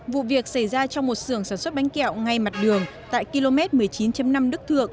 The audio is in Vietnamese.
vụ việc xảy ra trong một xưởng sản xuất bánh kẹo ngay mặt đường tại km một mươi chín năm đức thượng